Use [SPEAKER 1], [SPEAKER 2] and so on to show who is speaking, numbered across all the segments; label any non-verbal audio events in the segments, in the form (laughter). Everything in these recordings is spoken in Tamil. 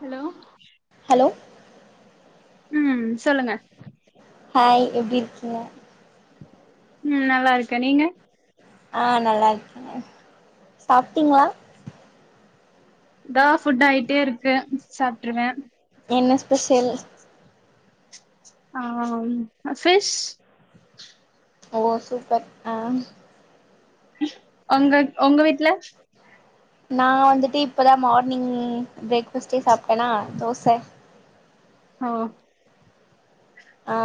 [SPEAKER 1] ஹலோ
[SPEAKER 2] ஹலோ
[SPEAKER 1] உம் சொல்லுங்க
[SPEAKER 2] ஹாய் எப்டி இருக்கீங்க
[SPEAKER 1] உம் நல்லா இருக்கேன் நீங்க
[SPEAKER 2] ஆஹ் நல்லா இருக்கேங்கே சாப்பிட்டீங்களா
[SPEAKER 1] த்தோ ஃபுட் ஆயிட்டே இருக்கு சாப்ட்டுருவே
[SPEAKER 2] என்ன ஸ்பெஷல்
[SPEAKER 1] ஆஹ் ஃபிஷ்
[SPEAKER 2] ஓ சூப்பர் ஆஹ்
[SPEAKER 1] உங்க- உங்க வீட்ல
[SPEAKER 2] நா வந்துட்டு இப்பதா மார்னிங் பிரேக் ஃபாஸ்டே சாப்ட்டனா தோச
[SPEAKER 1] ஹோ
[SPEAKER 2] ஆ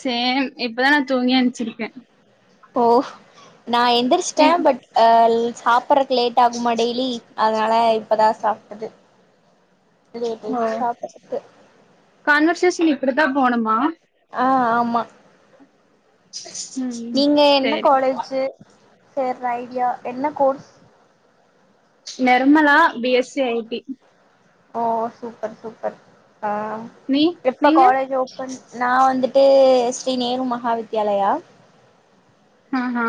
[SPEAKER 1] சேர் இப்பதா நா தூங்கி என்ச்சிருக்கே
[SPEAKER 2] ஓ நா எந்திரச்சிட்டே பட் அ சாப்புறதுக்கு லேட்டாகுமா டெய்லி அதனால இப்பதா சாப்ட்டது
[SPEAKER 1] ஓ
[SPEAKER 2] (unintelligible) சாப்ட்டதுக்கு
[SPEAKER 1] டியூசன் இப்படித்தா போணும்மா
[SPEAKER 2] ஆ ஆமா
[SPEAKER 1] ம்
[SPEAKER 2] நீங்க என்ன
[SPEAKER 1] சேரி
[SPEAKER 2] காலேஜு சேர்ற ஐடியா என்ன course
[SPEAKER 1] Nirmala B S C I T
[SPEAKER 2] ஓ சூப்பர் சூப்பர் ஆ
[SPEAKER 1] நீ
[SPEAKER 2] எப்ப
[SPEAKER 1] நீங்க
[SPEAKER 2] காலேஜ் ஓப்பன் நா வந்துட் ட்டு ஸ்ரீ நேரு மஹாவித்யாலயா
[SPEAKER 1] அ ஹா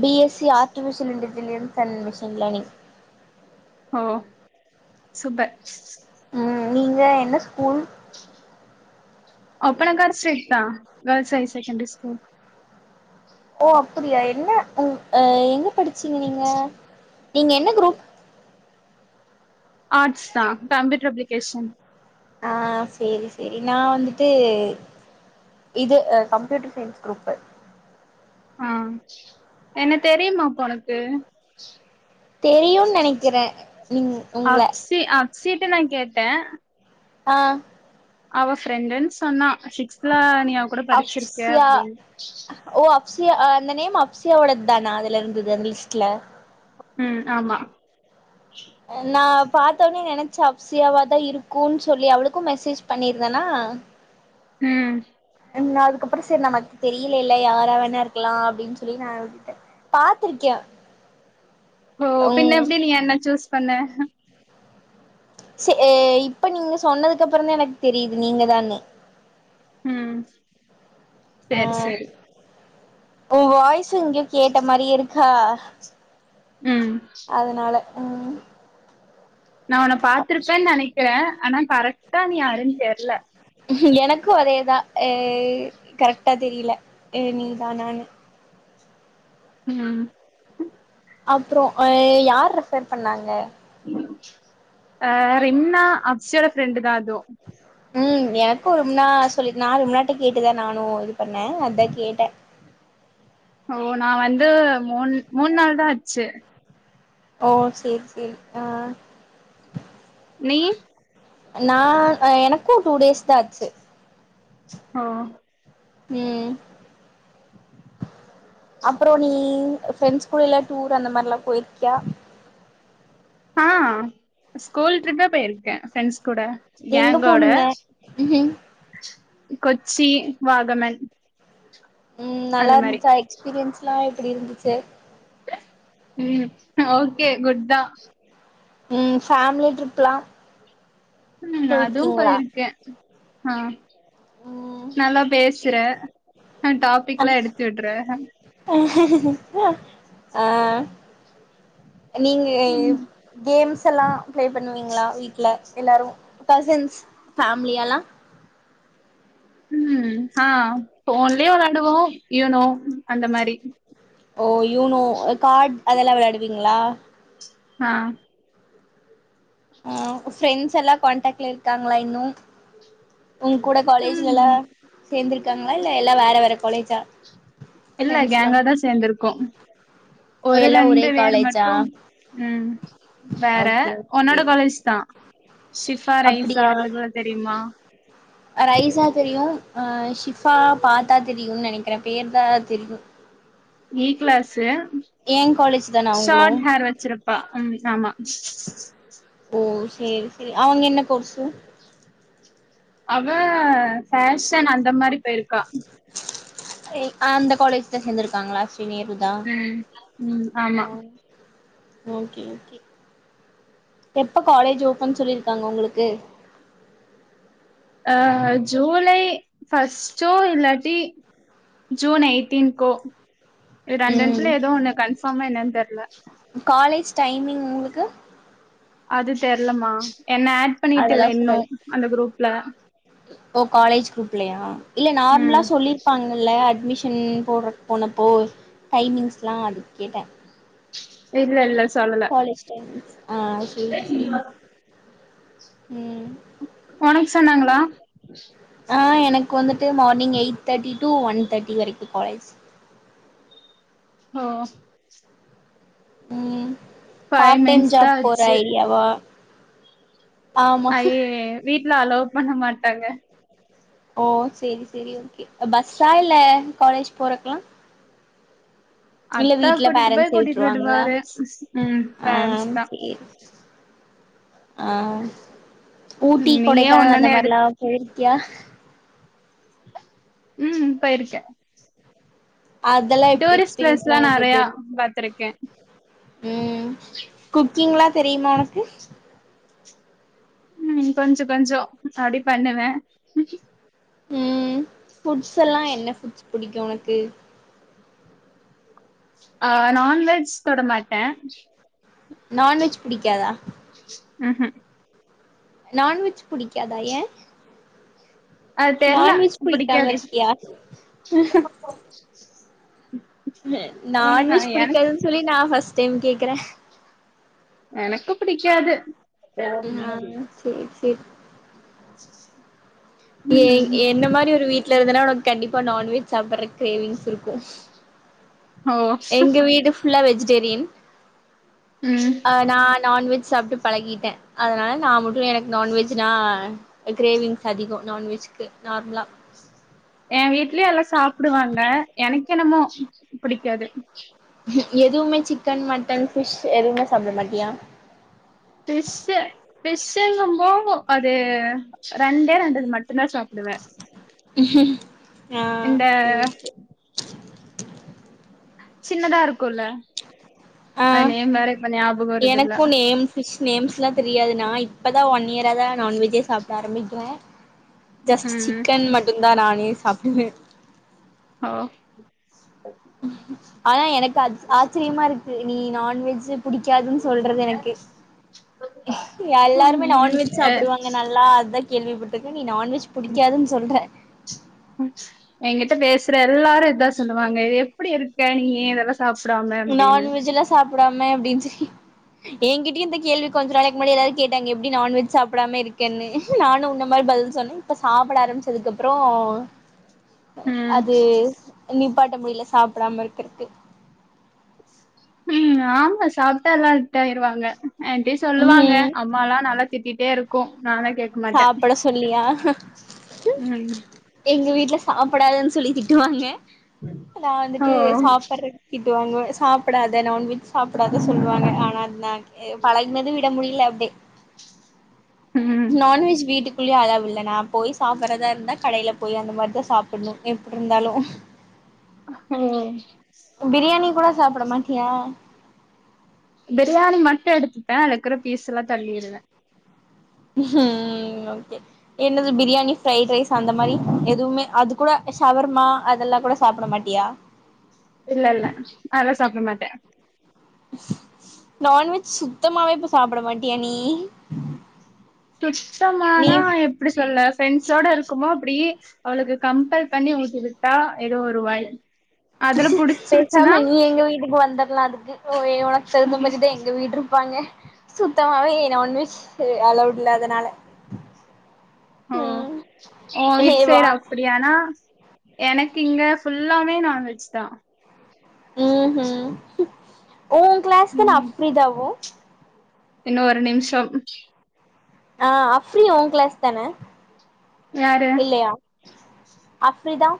[SPEAKER 2] B S C artificial intelligence and machine learning
[SPEAKER 1] ஓ சூப்பர்
[SPEAKER 2] ம் நீங்க என்ன ஸ்கூல்
[SPEAKER 1] அப்பனக்கார் ஸ்ரீ தா கேர்ள்ஸ் ஹை செகண்ட்ரி ஸ்கூல்
[SPEAKER 2] ஓ அப்டியா என்ன உ அ எங்க படிச்சீங்க நீங்க நீங்க என்ன க்ரூப்
[SPEAKER 1] ஆர்ட்ஸ் தா கம்ப்யூட்டர் அப்ளிகேஷன்
[SPEAKER 2] ஆ சேரி சேரி நா வந்துட்டு இது அ கம்ப்யூட்டர் சயின்ஸ் க்ரூப்பு
[SPEAKER 1] ஆஹ் என்ன தெரியுமா அப்ப ஒனக்கு
[SPEAKER 2] தெரியுன் நெனக்கிறே
[SPEAKER 1] அக்சி அக்சிப் ட நா கேட்ட
[SPEAKER 2] ஆ
[SPEAKER 1] அவ ஃப்ரெண்டுன் சொன்னா சிக்ஸ்த்துல நீ அவ கூட படிச்சிருக்க அப்டின்
[SPEAKER 2] சியா ஆ அந்த நேம் அக்சியாவோடது தானா அதுல இருந்துது அந்த லிஸ்ட்ல
[SPEAKER 1] ம் ஆமா
[SPEAKER 2] நா பாத்த ஒன்னே நெனச் ச அப்சியாவாதா இருக்குன் சொல்லி அவளுக்கு மெசேஜ் பண்ணிருந்தனா
[SPEAKER 1] ம்
[SPEAKER 2] நா அதுக்கப்றோ சேரி நமக் தெரியிலேல்ல யாரா வேணா இருக்லா அப்டின் சொல்லி நா விட்ட பாத்துருக்கே
[SPEAKER 1] ஓ பின்ன எப்டி நீ என்ன சூஸ் பண்ண
[SPEAKER 2] செ ஏ இப்ப நீங்க சொன்னதுக்கப்பறொந்தா எனக்கு தெரியுது நீங்க தான்னு
[SPEAKER 1] ம்
[SPEAKER 2] ஆ
[SPEAKER 1] சேரி சேரி
[SPEAKER 2] உ வாய்ஸ் ஸு எங்யோ கேட்ட மாரியே இருக் ஹா
[SPEAKER 1] ம்
[SPEAKER 2] அதனால
[SPEAKER 1] நான் உன்ன பாத்ருப்பன் நெனக்கிற ஆனா கரெக்ட்டா நீ யாருன் தெர்ல
[SPEAKER 2] எனக்கு அதேதா ஹ கரெக்டா தெரில நீதானானு
[SPEAKER 1] (unintelligible)
[SPEAKER 2] அப்றோ யார் ரெஃபர் பண்ணாங்க
[SPEAKER 1] அஹ் ரிம்னா அக்ஷோர ஃப்ரெண்டு தா அதுவு
[SPEAKER 2] உம் எனக்கு ரூம்ன சொல்லி நா ரூம்னா கிட்ட கேட்டுதா நானு இது பண்ணே அதா கேட்ட
[SPEAKER 1] ப்போ நா வந்து மூன் மூணு நாள் தா ஆச்சு
[SPEAKER 2] ஓ செரி செரி ஆ
[SPEAKER 1] நீயி
[SPEAKER 2] நா அ எனக்கு டூ டேஸ் தா ஆச்சு
[SPEAKER 1] ஓ
[SPEAKER 2] உம் அப்புறோ நீ ஃப்ரெண்ட்ஸ் கூட எல்லா டூர் அந்த மாரி எல்லா போயிருக்கியா
[SPEAKER 1] ஹா ஸ்கூல் ட்ரிப்பே போயிருக்கே ஃப்ரெண்ஸ் கூட
[SPEAKER 2] எங்க
[SPEAKER 1] கேங்கோட
[SPEAKER 2] போனீங்க ம்
[SPEAKER 1] கொச்சி வாகனன்
[SPEAKER 2] உம் நல்லா இருந்துச்சா எக்ஸ்பீரியன்ஸ் லாம் எப்டி இருந்துச்சு
[SPEAKER 1] ம் ஓகே குட் தா
[SPEAKER 2] உம் ஃபேமலி ட்ரிப்ல்லா
[SPEAKER 1] ம் அதுவும் போயிருக்க ஆஹ நல்லா பேசுற ஆ டாபிக்லா எடுத்து விடுற
[SPEAKER 2] அஹ (unintelligible) அஹ் நீங்க
[SPEAKER 1] ம்
[SPEAKER 2] கேம்ஸ் எல்லா பிளே பண்ணுவீங்களா வீட்டு்ல எல்லாரு கஷின்ஸ் ஃபேமிலியெல்லா
[SPEAKER 1] உம் ஆஹ போன்லயே விளையாடுவோ இனோ அந்த மாரி
[SPEAKER 2] ஓ யூனோ கார்ட் அதெல்லா விளையாடுவீங்களா
[SPEAKER 1] ஆஹ
[SPEAKER 2] ஆஹ் பிரெண்ட்ஸ் எல்லா காண்டாக்ட்ல்ல இருக்காங்களா இன்னு உங் கூட காலேஜ்ல எல்லா
[SPEAKER 1] ம்
[SPEAKER 2] சேந்து இருக்கங்களா இல்ல எல்லா வேற வேற காலேஜா
[SPEAKER 1] இல்ல
[SPEAKER 2] ஃப்ரெண்ட்ஸ்லா
[SPEAKER 1] கேங்கா தா சேந்திருக்கோ
[SPEAKER 2] ஓ
[SPEAKER 1] ஒரு
[SPEAKER 2] எல்லா ஒரே
[SPEAKER 1] ரெண்டு பேர்
[SPEAKER 2] காலேஜா
[SPEAKER 1] மட்டு உம் வேற
[SPEAKER 2] ஓகே ஓகே
[SPEAKER 1] உன்னோட காலேஜ் தா ஷிஃபா ரைஸா
[SPEAKER 2] அப்டியா
[SPEAKER 1] அவளுகள தெரியுமா
[SPEAKER 2] ரைஸா தெரியு ஆஹ ஷிஃபா பாத்தா தெரியுனு நெனைக்கிறே பேர்தா தெரியு
[SPEAKER 1] இ கிளாஸ்
[SPEAKER 2] ஏ காலேஜ் தானா அவங்களு
[SPEAKER 1] ஸ்டார்ட் ஹேர் வெச்சிருப்பா ம் ஆமா (inaudible)
[SPEAKER 2] ஓ செரி செரி அவங்க என்ன கோர்ஸூ
[SPEAKER 1] அவ ஃபேஷன் அந்த மாரி போயிருக்கா
[SPEAKER 2] அந்த காலேஜ் தா சேந்திருக்காங்களா ஸ்ரீ நேரு தா
[SPEAKER 1] உம் உம் ஆமா
[SPEAKER 2] ஓ ஓகே ஓகே எப்ப காலேஜ் ஓபன் சொல்லிருக்காங்க உங்களுக்கு
[SPEAKER 1] ஆஹ ஜூலை ஃபர்ஸ்ட்டோ இல்லாடி ஜூன் எயிட்டீன் கோ
[SPEAKER 2] ம்
[SPEAKER 1] ரெண்டனத்துல ஏதோ ஒண்ணு கன்பார்மா என்னன்னு தெரல
[SPEAKER 2] காலேஜ் டைமிங் உங்களுக்கு
[SPEAKER 1] அது தெரிலமா
[SPEAKER 2] அவளா சொல்லல
[SPEAKER 1] குரூப்ல
[SPEAKER 2] காலேஜ் குரூப்லயா இல்ல நார்மலா
[SPEAKER 1] ம்
[SPEAKER 2] சொல்லி இருப்பாங்கல்ல அட்மிட் ஷன் போடுற போனப்போ டைமிங்ஸ்லாம் அது கேட்டன்
[SPEAKER 1] இல்ல இல்ல சொல்லல
[SPEAKER 2] காலேஜ் டைம் ஆஹ் சரி சரி உம்
[SPEAKER 1] உனக்கு சொன்னாங்களா
[SPEAKER 2] ஆஹ் எனக்கு வந்துட்டு மார்னிங் எயிட் தாட்டி டு ஒன் தாட்டி வரைக்கு காலேஜ்
[SPEAKER 1] ஓ
[SPEAKER 2] உம்
[SPEAKER 1] ஃபைவ்
[SPEAKER 2] பார்ட் டைம்
[SPEAKER 1] மினிட்ஸ் தா
[SPEAKER 2] ஜாப் போற ஐடியாவா ஆமா
[SPEAKER 1] அயய்யோ வீட்ல அலோ பண்ண மாட்டாங்க
[SPEAKER 2] ஓ சரி சரி ஓகே பஸ்ஸா இல்ல காலேஜ் போறக்லாம்
[SPEAKER 1] அத்தா கூட்டிட்டு போய்
[SPEAKER 2] பேரண்ட்ஸே
[SPEAKER 1] கூட்டிட்டு
[SPEAKER 2] விட்ருவாங்களா
[SPEAKER 1] விடுவாரு உம்
[SPEAKER 2] ஆ
[SPEAKER 1] பேரன்ஸ் தான்
[SPEAKER 2] ஆஹ் ஊட்டி
[SPEAKER 1] நீயே
[SPEAKER 2] கொடைக்கானல் அந்த
[SPEAKER 1] ஒன்னொன்னு எடு
[SPEAKER 2] மாரிலாம் போய் கியா
[SPEAKER 1] உம் போயிருக்கன்
[SPEAKER 2] அதெல்லா எப்
[SPEAKER 1] டூரிஸ்ட்
[SPEAKER 2] எக்ஸ்பீரியன்ஸ்லா
[SPEAKER 1] பிளேஸ்லாம்
[SPEAKER 2] உனக்கு
[SPEAKER 1] நறயா பாத்திருக்கன்
[SPEAKER 2] உம் குக்கிங்ல்லாம் தெரியுமா உனக்கு
[SPEAKER 1] உம் கொஞ்ச கொஞ்ச அப்டி பண்ணுவன்
[SPEAKER 2] உம் ஃபுட்ஸ் எல்லாம் என்ன ஃபுட்ஸ் பிடிக்கும் உனக்கு
[SPEAKER 1] ஆஹ் நான்வெஜ் தொட மாட்டன்
[SPEAKER 2] நான்வெஜ் பிடிக்காதா
[SPEAKER 1] உஹும்
[SPEAKER 2] நான்வெஜ் புடிக்காதா ஏன்
[SPEAKER 1] அது தெர்ல புடிக்காது
[SPEAKER 2] னு
[SPEAKER 1] ஏங்க
[SPEAKER 2] நான்வெஜ்
[SPEAKER 1] எனக்
[SPEAKER 2] பிடிக்காதுன்னு சொல்லி நான் பர்ஸ்ட் பர்ஸ்ட் டைம் கேக்குறன்
[SPEAKER 1] எனக்கு புடிக்காது
[SPEAKER 2] ஆஹ் சரி சரி ஏ
[SPEAKER 1] ம்
[SPEAKER 2] என்ன மாரி ஒரு வீட் வீட்ல இருந்தன்னா உனக்கு கண்டிப்பா நான்வெஜ் சாப்பற கிரேவிங்ஸ் இருக்கு
[SPEAKER 1] ஓ
[SPEAKER 2] எங்க வீடு ஃபுல்லா வெஜிடேரியன்
[SPEAKER 1] ம்
[SPEAKER 2] ஆஹ் நான் நான்வெஜ் சாப்ட்டு பழகிட்டே அதனால் நான் மட்டும் எனக்கு நான்வெஜ்னா கிரேவிங்ஸ் அதிகம் நான்வெஜ்கு நார்மலா
[SPEAKER 1] என் வீட்லேயெல்லாம் சாப்டுவாங்க எனக்கு என்னமோ பிடிக்காது
[SPEAKER 2] எதுவுமே சிக்கன் மட்டன் ஃபிஷ் எதுவுமே சாப்பிட மாட்டியா
[SPEAKER 1] ஃபிஷ்ஷு ஃபிஷ்ஷுங்கும்போ அது ரெண்டே ரெண்டு மட்டும்தா சாப்பிடுவே
[SPEAKER 2] ம் ஹ்ம் ஆஹ் செரி
[SPEAKER 1] சின்னதா இருக்குல
[SPEAKER 2] ஆ
[SPEAKER 1] அநெம் வேற ஞபகம் வரதுல
[SPEAKER 2] தெரியாது நா இப்பதா ஒன் இயர் அதான் நான்வெஜ்ஜே சாப்பிட ஆரம்பிக்குவே ஜஸ்ட்
[SPEAKER 1] ம்
[SPEAKER 2] சிக்கன் மட்டும் தான் நானே சாப்பிடுவே
[SPEAKER 1] ஓ
[SPEAKER 2] ஆனா எனக்கு அச் ஆச்சரியமா இருக்கு நீ நான்வெஜ்ஜு புடிக்காதுன் சொல்றது எனக்கு
[SPEAKER 1] ம்
[SPEAKER 2] எல்லாருமே நான்வெஜ்
[SPEAKER 1] அ
[SPEAKER 2] சாப்பிடுவாங்க நல்லா அத கேள்விப்பட்டுக்கு நீ நான் வெஜ் ச் புடிக்காதுன் சொல்ற
[SPEAKER 1] எங்கிட்ட பேசுற எல்லாரு இதா சொல்லுவாங்க இது எப்படி இருக்க நீ இதெல்லா சாப்டாம அப்டின்னு
[SPEAKER 2] நான்வெஜ்லா சாப்டாம் (unintelligible) சொி எங்கிட்டயு இந்த கேள்வி கொஞ்ச நாளைக் முன்னாடி எல்லாரு கேட்டாங்க எப்படி நான்வெஜ் சாப்பிடாம இருக்கன்னு நானு உன்ன மாரி பதில் சொன்னேன் இப்ப சாப்பிட ஆரம்பிச்சதுக்கு அப்பறோ
[SPEAKER 1] ம்
[SPEAKER 2] அது நிப்பாட்ட முடில சாப்டாம இருக்குறக்கு
[SPEAKER 1] உம் ஆமா சாப்ட்டா எல்லாம் ட்டாயிருவாங்க அப்டின் சொல்லுவாங்க அம்மாலா நல்லா திட்டிட்டே இருக் கோ
[SPEAKER 2] சாப்பட சொல்லியா அஹ்
[SPEAKER 1] ம்
[SPEAKER 2] எங்க வீட்ல சாப் ப்படாதுன் சொல்லி திட்டுவாங்க நா
[SPEAKER 1] ஓ
[SPEAKER 2] வந்துட்டு சாப்பட்றக் வாங்வ சாப்புடாத நான்வெஜ் சாப்புடாத சொல்லுவாங்க ஆனா அதுனான் எ பழகுனத விட முடில அப்டி
[SPEAKER 1] ம்
[SPEAKER 2] நான் வெஜ் வீட்டுக் புளி அளவில்ல நான் போய் சாப்டறதா இருந்தா கடைல போய் அந்த மாரிதா சாப்பிடணு எப்புட்ருந்தாலு
[SPEAKER 1] ம்
[SPEAKER 2] பிரியாணி கூட சாப்பிட மாட்டியா
[SPEAKER 1] பிரியாணி மட்டும் எடுத்துட்டேன் அது இருக்கிற பீஸ் எல்லாம் தள்ளிருவேன்
[SPEAKER 2] ம் ஹ்ம்ம் ஓகே என்னது பிரியாணி ஃப்ரைட் ரைஸ் அந்த மாரி எதுவுமே அது கூட ஷவர்மா அதெல்லாம் கூட சாப்புட மாட்டியா
[SPEAKER 1] இல்ல இல்ல ம் அத சாப்ட மாட்ட
[SPEAKER 2] நான்வெஜ் சுத்தமாவே இப்ப சாப்பிட மாட்டிய நீ நீ
[SPEAKER 1] சுத்தமானா எப்படி சொல்ல ஃப்ரெண்ட்ஸோட இருக்குமோ அப்படி அவளுக்கு கம்பல் பண்ணி ஊட்டிவிட்டா ஏதோ ஒரு வாய் அதுல புடிச்சிருச்சுன்னா
[SPEAKER 2] பேசாம நீ எங்க வீட்டுக்கு வந்த லாம் அதுக்கு ஓ உனக்கு தகுந்த மாரிதான் எங்க வீடு இருப்பாங்க சுத்தமாவே நான்வெஜ் ஆ அளவுடல்ல அதனால
[SPEAKER 1] ஓ
[SPEAKER 2] ம்
[SPEAKER 1] ஓ
[SPEAKER 2] ஏ வா
[SPEAKER 1] (unintelligible) அப்படியானா எனக்கு இங்க ஃபுல்லாமே நான்வெஜ் தான்
[SPEAKER 2] உன் கிளாஸ் தான அப்ரிதாவும்
[SPEAKER 1] இன்னும் ஒரு நிமிஷம்
[SPEAKER 2] ஆ அப்ரி உன் கிளாஸ் தானே
[SPEAKER 1] யாரு
[SPEAKER 2] இல்லையா அஃப்ரிதா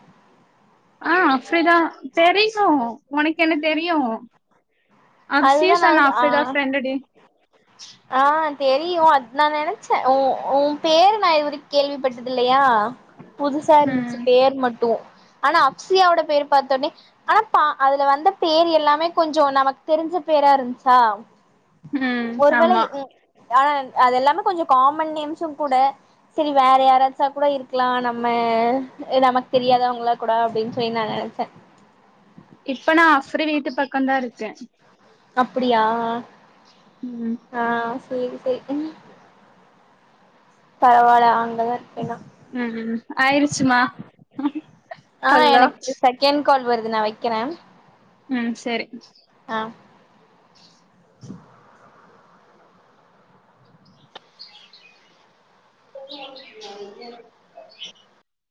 [SPEAKER 1] ஆ அஃப்ரிதா தெரியும் உனக்கு என்ன தெரியும்
[SPEAKER 2] அதுதா
[SPEAKER 1] அப்சியும்
[SPEAKER 2] நா
[SPEAKER 1] சொன்ன அப்ரிதா
[SPEAKER 2] ஆ
[SPEAKER 1] பிரெண்ட் டி
[SPEAKER 2] தெரியும் அது நான் நினைச்சேன் உ உன் பேரு நான் இதுவரைக்கும் கேள்விப்பட்டது இல்லையா புதுசா இருந்துச்சு
[SPEAKER 1] ம்
[SPEAKER 2] பேர் மட்டும் ஆனா அஃப்சியாவோட பேர் பார்த்தோனே ஆனா அதுல வந்த பேர் எல்லாமே கொஞ்சம் நமக்கு தெரிஞ்ச பேரா இருந்ச்சா
[SPEAKER 1] ம் ஆமா
[SPEAKER 2] ஆனா அதெல்லாமே கொஞ்சம் காமன் நேம்ஸும் கூட சரி வேற யாராச்சா கூட இருக்கலாம் நம்ம நமக்கு தெரியாதவங்களா கூட அப்படின்னு சொல்லி நான் நினைச்சேன்
[SPEAKER 1] இப்ப நான் அஃப்சரி வீட்டு பக்கம் தான் இருக்கேன்
[SPEAKER 2] அப்படியா
[SPEAKER 1] ம்
[SPEAKER 2] ஆ சேரி சேரி பரவால்ல ஆங்க
[SPEAKER 1] ம் ம் ஆயிடுச்சுமா
[SPEAKER 2] ஆ
[SPEAKER 1] ஹல்லோ
[SPEAKER 2] எனக்கு செகண்ட் கால் வருது நான் வைக்கிறேன்
[SPEAKER 1] ம் சேரி
[SPEAKER 2] ஆ
[SPEAKER 1] (inaudible)